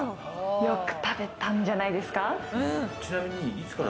よく食べたんじゃないですか。